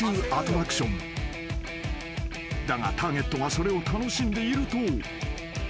［だがターゲットがそれを楽しんでいると］